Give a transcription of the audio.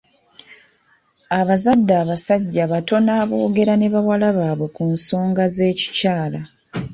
Abazadde abasajja batono aboogera ne bawala baabwe ku nsonga z'ekikyala.